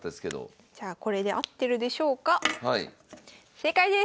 正解です！